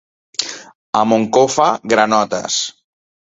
A Moncofa, granotes.